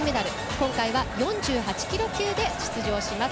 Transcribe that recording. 今回は４８キロ級で出場します。